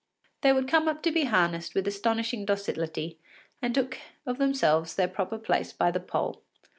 They would come up to be harnessed with astonishing docility, and took of themselves their proper place by the pole.